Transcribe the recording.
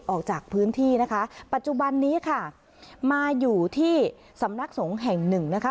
ออกจากพื้นที่นะคะปัจจุบันนี้ค่ะมาอยู่ที่สำนักสงฆ์แห่งหนึ่งนะคะ